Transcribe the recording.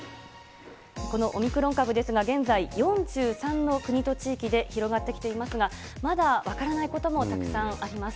このオミクロン株ですが、現在、４３の国と地域で広がってきていますが、まだ分からないこともたくさんあります。